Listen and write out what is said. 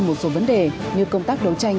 một số vấn đề như công tác đấu tranh